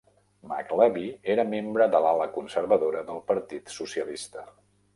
McLevy era membre de l'ala conservadora del Partit Socialista.